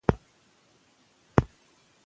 موږ به هېڅکله له زده کړې لاس ونه اخلو.